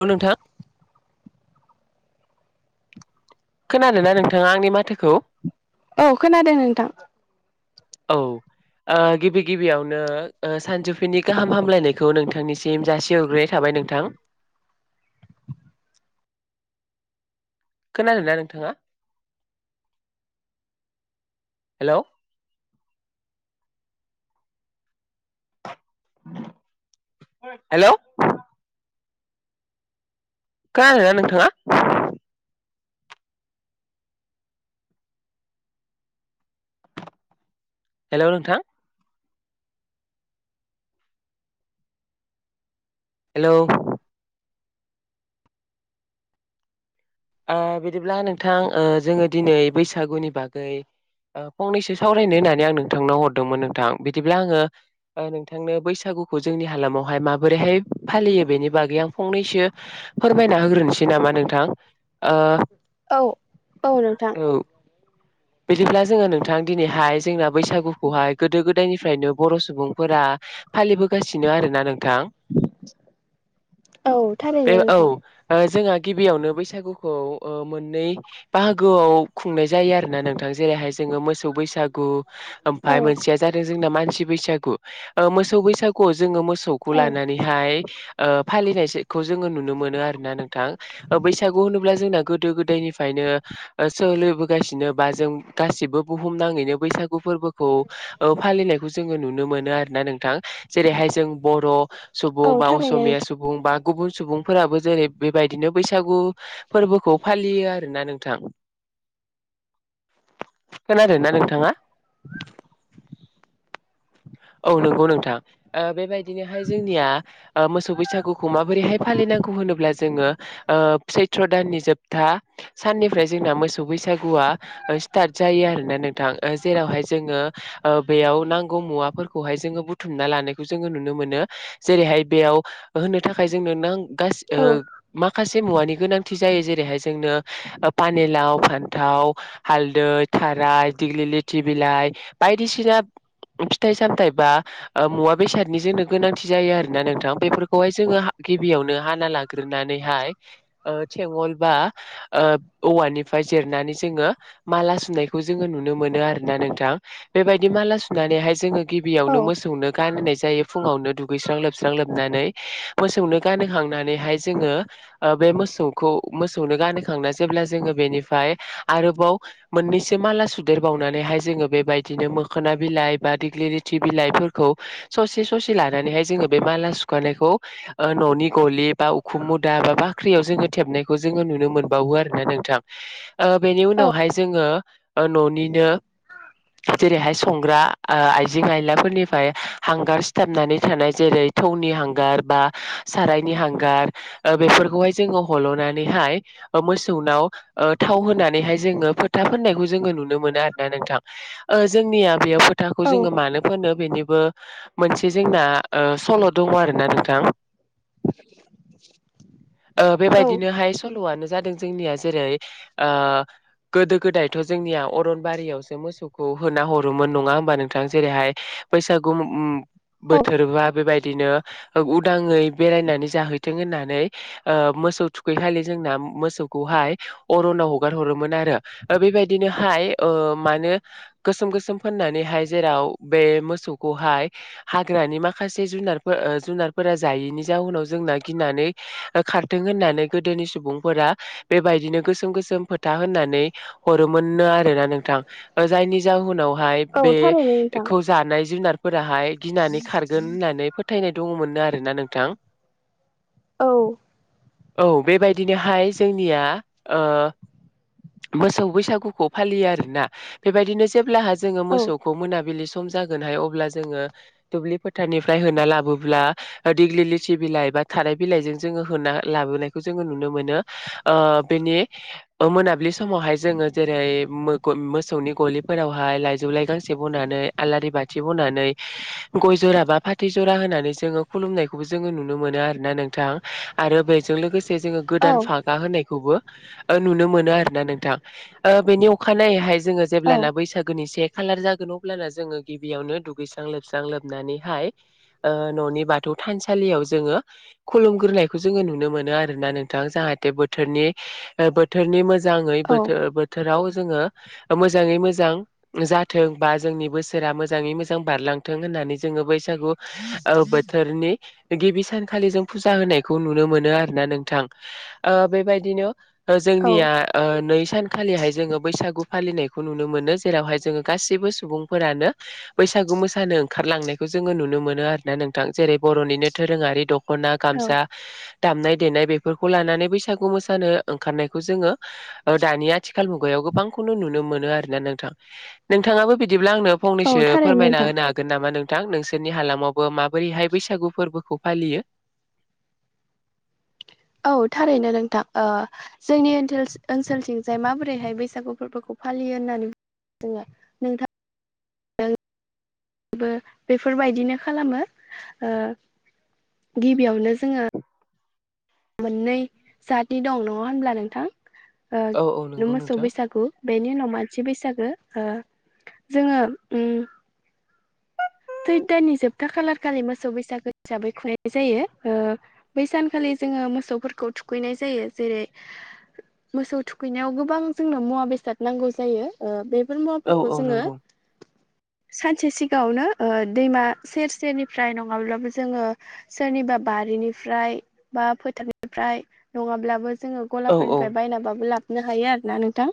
औ नोंथां खोनादों ना नोंथाङा आंनि माथोखौ? औ खोनादों नोंथां औ गिओ बि गिबियावनो सानजौफुनि गाहाम हामलायनायखौ नोंथांनिसिम जासिहरग्रोनाय थाबाय नोंथां खोनादों ना नोंथाङा हेलौ हेलौ खोनादों ना नोंथाङा हेलौ नोंथां हेलौ ओ बिदिब्ला नोंथां ओ जोङो दिनै बैसागुनि बागै ओ फंनैसो सावरायनो होननानै आं नोंथांनाव हरदोंमोन नोंथां बिदिब्ला आङो नोंथांनो बैसागु गुखौ ‌जोंनि हालामावहाय माबोरैहाय फालियो बेनि बागै आं फंनैसो फोरमायना होग्रोनोसै नामा नोंथां‌ ओ औ औ नोंथां [inaudible] बिदिब्ला जोङो नोंथां दिनैहाय जोंना बैसागुखौहाय गोदो गोदायनिफ्रायनो बर' सुबुंफोरा फालिबो गासिनो आरो ना नोंथां औ थारैनो बे नोंथां औ जोंहा गिबियावनो बैसागु खौ ओ मोननै बाहागोआव खुंनाय जायो आरो ना नोंथां जेरैहाय जोङो मोसौ बैसागु औ ओमफाय मोनसेया जादों जोंना मानसि बैसागु मोसौ बैसागुआव जोङो मोसौखौ औ लानानैहाय ओ फालिनायखौ जोङो नु नो मोनो आरो ना नोंथां बैसागु जोंना गोदो गोदायनिफ्रायनो ओ सोलिबोगासिनो बा जों गासिबो बुहुम नाङैनो बैसागु फोरबोखौ ओ फालिनायखौ जोङो नु नुनो मोनो आरोना नोंथां जेरैहाय जों बर' सुबुं औ बा थारैनो असमिया नोंथां। सुबुं बा गुबुन सुबुंफोराबो जेरै बेबायदिनो बैसागु फोरबोखौ फालियो आरोना नोंथां खोनादों ना नोंथाङा? [inaudible] औ नंगौ नोंथां ओ बेबायदि बिदिनोहाय जोंनिया मोसौ बैसागुखौ माबोरैहाय फालिनांगौ होनोब्ला जोङो सत्र' दाननि जोबथा साननिफ्राय जोंना मोसौ बैसागुआ स्टार्ट जायो आरोना नोंथां। जेरावहाय जोङो बेयाव नांगौ मुवा फोरखौहाय जोङो बुथुमना लानायखौ जोङो नुनो मोनो जेरैहाय बेयाव होनो थाखाय जोंनो नां औ माखासे मुवानि गोनांथि जायो जेरैहाय जोंनो पानि लाउ फान्थाव हालदै थाराय दिग्लि लेथि बिलाइ बायदिसिना [inaudible] फिथाइ सामथायाइ बा मुवा बेसादनि जोंनो गोनांथि जायो आरोोना नोंथां बेफोरखौहाय जोङो गिबियाव हो हानाय लागोनानिहाय बेंगल बा औवानिफाराइ जिरनाय माला सुनायखौ जोङ नुनो मोन आरोना नोंथां बेबायदि माला सुनानैहाय जोङो औ गिबियावनो मोसौनो गानहनाय जायो फुङावनो दुगैस्रां लोबस्रां लोबनानै मोसौनो गानखांनानैहाय जोङो बे मोसौखौ मोसौनो गानहोखांना जेब्ला नि आरोबाव मोननो माला सुदेरबावनानै जोङो बेबायदिनो मो माखोना बिलाइ बा दिग्लि रिथि बिलाइफोरखौ ससे ससे लानानैहाय जोङो बे माला सुखानायखौ न'नि गलि बा उखुम मुदा बा बाख्रियाव जोङो थेबनायखौ जोङो नुनो मोनबावो आरो ना नोंथां बेनि औ उनावहाय जोङो न'निनो जेरैहाय संग्रा आइजें आयलाफोरनिफ्राय हांगार सिथाबनानै थानाय जेरै थौनि हांगार बा सारायनि हांगार बेफोरखौहाय जोङो हल'नानैहाय मोसौनाव थाव होनानैहाय जोङो फोथा फोननायखौ जोङो नुनो मोनो आरोोना नोंथां जोंनिया बेयाव फ औ बेनिबो मोनसे जोंना सल' दङ आरोना नोंथां औ बेबायदिनोहाय सल'आनो जादों जोंनिया जेरै गोदो गोदायथ' जोंनिया अरनबारियावसो मोसौखौ होना हरोमोन नङा हबा नोंथां जेरैहाय बैसागु औ बोथोरबा बेबायदिनो उदाङै बेरायनानै जाहैथों होननानै मोसौ थुखै खालि जोंना मोसौखौ अरनाव हागार हरोमोन आरो बेबायदिनो माने गोसोम गोसोम महाय जेराव बे मोसौखौहाय हाग्रानि माखासे जुनार जुनारफोरा जायो यैनि जाहनाव जोंना गिनानै खारथों होननानै गोदोनि सुबुंफोरा बेबायदिनो गोसोम गोसोम फोथा होननानै हरोमोननो आरोना नोंथां जायनि जाहनावहाय औ थारैनो नोंथां बेखौ जानाय जुनारफोराहाय गिनानै खारगोन होननानै फोथायनाय दङमोननो आरो ओरै ना नोंथां औ औ बेबायदिनोहाय जोंनिया मोसौ बैसागुखौ फालियो आरोना बेबायदिनो जेब्लाहा जोङो औ मोसौखौ मोनाबिलि सम जागोन हायो दुब्लि फोथारनिफाराय होना लाबोबोला दिगिलिथि सि बिलाइ बा थाराय बिलाइजों जोङो होना लाबोनायखौ जोङो नुनो मोनो बेनि मोनाबिलि समावहाय जोङो जेरै मोसौनि गलिफोरावहाय लाइजौ लाइ गांसे बनानै आलारि बाथि बनानै गय जरा बा फाथै जरा होननानै जों खुुमनायखौ जोङो नुनो मोनो आरोोना नोंथां आरो बेजों लोगोसे जोङो औ गोदान फागा होननायखौबो नुनो मोनो आरोना नोंथां बेनि अखानायैहाय जोङो जेब्लाना बैसागोनि से अबोला जों गिबियावनो दुैस्रां लोबस्रां लोबनानैह न'नि बाथौ थानसालियाव गिबियाव जोङो खुलुमगोरनायखौ नुनो मोनो आरोना नोंथां जाहाथे बोथोरनि बोथोरनि मोजाङै बो औ बोथोराव जोङो मोजाङै मोजां जाथों बा जोंनि बोसोरा मोजाङै मोजां बारलांथों होन्नानै जोङो बै सानखालि बैसागु बोथोरनि गिबि सानखालि जों फुजा होनायखौ नुनो मोनो आरो ना नोंथां बेबायदिनो जोंनिया नै सानखालिहाय जोङो बैसागु फालिनायखौ नुनो मोनो जेरावहाय जोङो गाैबो गासैबो सुबुंफोरानो बैसागु मोसानो ओंखारलांनायखौ जोङो नुनो मोनो आरोना नोंथां जेरै बर'नि बिदिनो दोरोङारि दख'ना औ गामसा दामनाय देनाय बेफोरखौ लानानै बैसागु मोसानो ओंखारनायखौ जोङो दानि आथिखाल मुगायाव गोबांखौनो नुनो मोनो आरोना नोंथां नोंथाङाबो बिदिब्ला आंनो औ फंनैसो थारैनो फोरमायना नोंथां होनो हागोन नामा नों थां नोंसोरनि हालामावबो माबोरैहाय बैसागु फोरबोखौ फालियो [inaudible] औ थारैनो नोंथां ओ जोंनि ओनसोलल ओनसोलथिंजाय माबोरैहाय बैसागु फोरबोखौ फालियो होननानै जोङो नोंथां बेफोरबायदिनो खालामो ओ गिबियावनो जोङो मोननै जातनि दं नङा होनब्ला नोंथां औ औ ओ नंगौ मोसौ नोंथां बैसागु बेनि उनाव मानसि बैसा गो ओ जोङो उम सैद दाननि जोबथा खालारखालि मोसौ बैसागो हिसाबै खुंनाय जायो ओ बैसानखालि जोङो मोसौफोरखौ थुखैनाय जायो जेरै मोसौ थुखैनायाव गोबां जोंनो मुवा बेसाद नांगौ जायो ओ बे फोर औ मुवाफोरखौ औ जोङो नंगौ सानसे सिगाङावनो ओ दैमा सेर सेरनिफ्राय नङाब्लाबो जोङो सोरनिबा बारिनिफ्राय बा फोथारनिफ्राय नङाब्लाबो जोङो औ औ गलाफोरनिफ्राय बायनाबाबो लाबोनो हायो आरोना नोंथां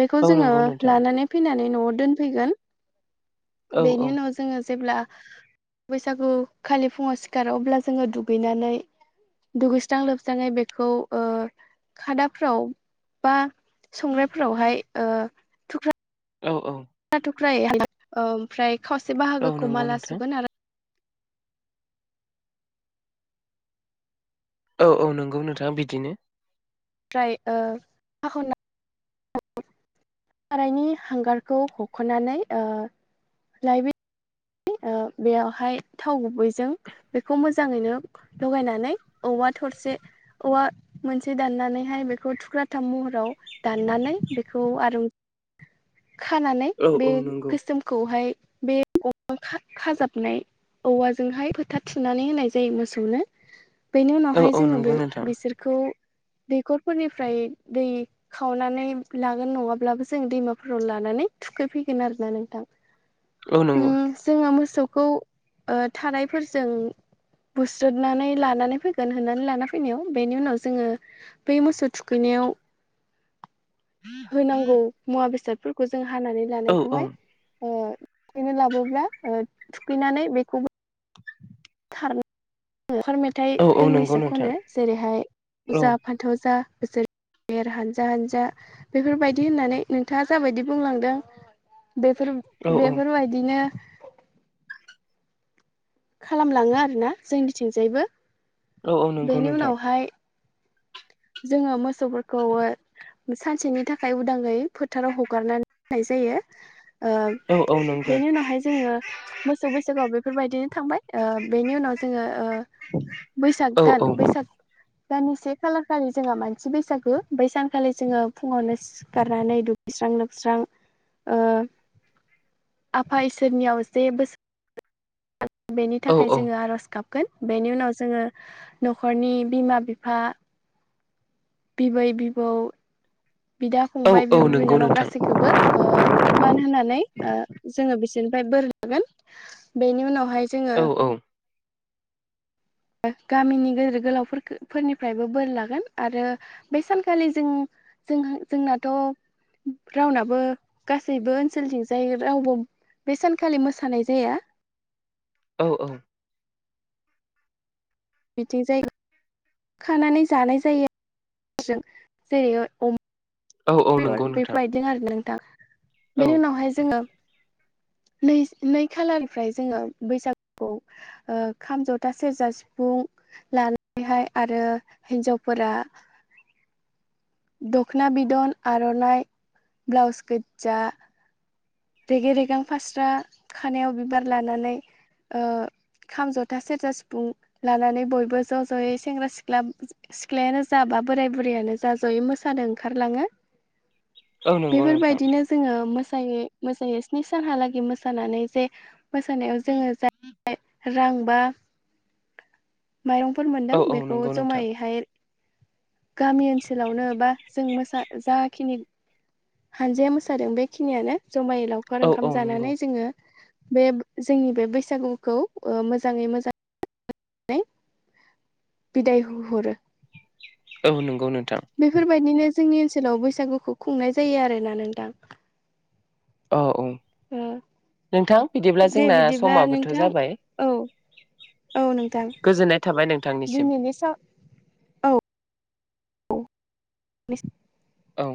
बेखौ औ जोङो नंगौ नोंथां लानानै फैनानै न'आव दोनफैगोन औ औ बेनि उनाव जोङो जेब्ला बैसागु खालि फुङाव सिखारो अब्ला जोङो दुगैनानै दुगैस्रां लोबस्राङै बेखौ ओ खादाफ्राव बा संग्रायफोरावहाय ओ थुख्रा औ औ थुख्रायै हायो ओमफ्राय खावसे औ बाहागोखौ नंगौ माला नोंथां सुगोन आरो औ औ नंगौ नोंथां बिदिनो ओमफ्राय ओ [unintelligible] सारायनि हांगारखौ हख'नानै ओ लाइ ओ‌ बेयावहाय थाव गुबैजों बेखौ मोजाङैनो लगायनानै औवा थरसे औवा मोनसे दाननानैहाय बेखौ थुख्राथाम महराव दाननानै बे खौ आरो खानानै औ बे औ नंगौ गोसोमखौहाय बे औवा खाजाबनाय औवाजोंहाय फोथा थुना होनाय जायो मोसौनो। बेनि औ उनावहाय औ जोङो नंगौ बे नोंथां बिसोरखौ दैखरफोरनिफ्राय दै खावनानै लागोन नङाब्लाबो जों दैमा फोराव लानानै थुखैफैगोन आरोना नोंथां औ नंगौ उम जोंङो मो मोसौखौ ओ थारायफोरजों बुस्रोनानै लानानै फैगोन होननानै लाना फैनायाव बेनि उनाव जोङो बै मोसौ थुखै बेयाव [inaudible] होनांगौ मुवा बेसादफोरखौ जों हानानै औ औ लानायखौहाय आ थुखैनो लाबोब्ला ओ थुखैनानै बेखौबो [inaudible] लावखार मेथाइ औ औ नंगौ दोंनैसो नोंथां खनो जेरैहाय लाव औ जा फानथाव जा बोसोर देर हानजा हानजा बेफोरबायदि होननानै नोंथाङा जाबायदि बुंलांदों बेफोर औ औ बेफोरबायदिनो खालामलाङो आरोना जोंनिथिंजायबो औ औ नंगौ बेनि नोंथां उनावहाय जोङो मोसौफोरखौ सानसेनि थाखाय उदाङै फोथाराव हगारनानै होननाय जा यो ओ औ औ नंगौ बेनि उनावहाय जोङो मोसौ बैसागुआव बेफोरबायदि थांबाय ओ बेनि उनाव जोङो ओ बैसाग औ दान बैसाग दाननि से खालार खालि जोंहा मानसि बैसागु बै सानखालि जोङो फुङावनो सिखारनानै दुगैस्रां लोबस्रां ओ आफा इसोरनियाव जे बो [unintelligible] बेनि औ थाखाय औ जोङो आरज गाब गोन बेनि उनाव जोङो न'खरनि बिमा बिफा बिबै बिबौ बिदा फंबाय औ औ बिब' नंगौ बिनानाव नोंथां गासैखौबो ओ मान होनानै ओ जोङो बिसोर बिनिफ्राय बोर लागोन बेनि उनावहाय जोङो औ औ गामिनि गिदिर गोलाव फोरनिफ्रायबो बोर लागोन आरो बे सानखालि जों जोंहा जोंनाथ' रावनाबो गासैबो ओनसोलथिंजाय रावबो बे सानखालि मोसानाय जाया औ औ बिथिं जायगायाव खानानै जानाय जायो जों जेरैयो अमा औ औ नंगौ बेदर नोंथां बेफोर बायदिनो आरो ना औ बेनि उनावहाय जोङो [inaudible] नै नै खालारनिफ्राय जोङो बैसागुखौ ओ खाम जथा सेरजा सिफुं लानानैहाय आरो हिनजावफोरा [inaudible] दखना बिदन आर'नाइ ब्लाउस गोजा रेगे रेगां फास्रा खानायाव बिबार लानानै ओ खाम जथा सेरजा सिफुं लानानै बयबो ज' ज'यै सेंग्रा सिख्ला सिख्लायानो जा बा बोराय बुरैयानो जा ज'यै मोसानो ओंखारलाङो [inaudible] नंगौ बेफोर नोंथां बायदिनो जोङो मोसायो मोसायो स्नि सानहालागै मोसानानै जे मोसानायाव जोङो जाय रां बा माइरंफोर मोन्दों औ औ बेखौ नंगौ नोंथां जमायैहाय गामि ओनसोलावनो बा जों मोसा जाखिनि हानजाया मोसादों बेखिनियानो जमायै लावखार औ ओंखाम औ नंगौ जानानै जोङो बे जोंनि बे बैसागुखौ ओ मोजाङै मोजां नै बिदाय हरो औ नंगौ नोंथां बेफोरबायदिनो जोंनि ओनसोलाव बैसागुखौ खुंनाय जायो आरोना नोंथां अ औ ओ नोंथां बिदिब्ला दे जोंना बिदिब्ला समाबोथ' नोंथां जाबाय औ औ नोंथां गोजोननाय थाबाय नोंथांनिसिम दिनैनि साव बे औ